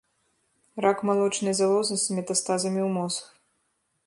Рак малочнай залозы з метастазамі ў мозг.